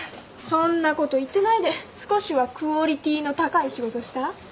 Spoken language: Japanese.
そんなこと言ってないで少しはクオリティーの高い仕事したら？